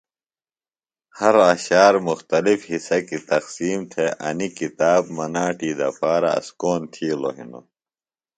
ہر اشعار مختلف حصہ کیۡ تقسیم تھےࣿ انیۡ کتاب مناٹی دپارہ اسکون تِھیلوۡ ہِنوࣿ۔